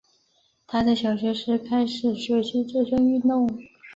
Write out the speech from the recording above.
她在小学时开始学习这项运动。